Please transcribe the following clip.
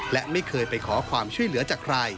และไม่เคยไปขอความช่วยเหลือจากใคร